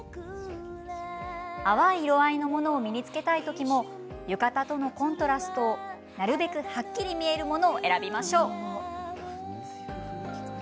淡い色合いのものを身に着けたい時も浴衣とのコントラストなるべく、はっきり見えるものを選びましょう。